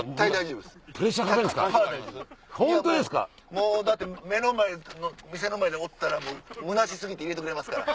もうだって目の前店の前でおったらむなし過ぎて入れてくれますから。